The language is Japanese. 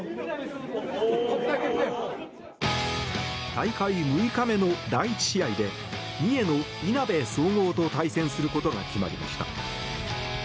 大会６日目の第１試合で三重のいなべ総合と対戦することが決まりました。